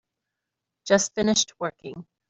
Just finished working.